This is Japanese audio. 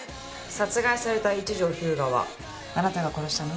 殺害された一条彪牙はあなたが殺したの？